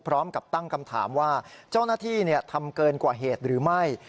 พร้อมกับตั้งคำถามว่าเจ้าหน้าที่ทำเกินกว่าเหตุหรือไม่